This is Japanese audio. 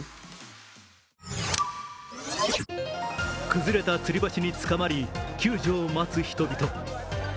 崩れたつり橋につかまり救助を待つ人々。